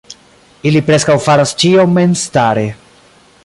Ili preskaŭ faras ĉion memstare.